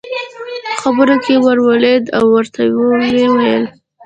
په خبرو کې ور ولوېد او ورته ویې وویل.